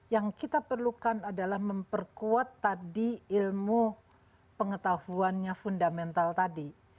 yang kita perlukan adalah memperkuat tadi ilmu pengetahuannya fundamental tadi